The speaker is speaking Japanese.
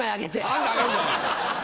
何であげんだよ！